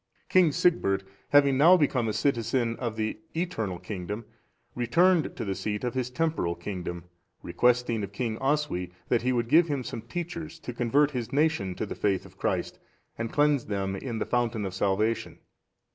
King Sigbert, having now become a citizen of the eternal kingdom, returned to the seat of his temporal kingdom, requesting of King Oswy that he would give him some teachers, to convert his nation to the faith of Christ, and cleanse them in the fountain of salvation.